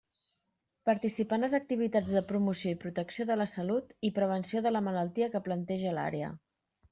Participar en les activitats de promoció i protecció de la salut i prevenció de la malaltia que plantege l'àrea.